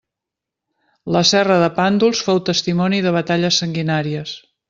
La serra de Pàndols fou testimoni de batalles sanguinàries.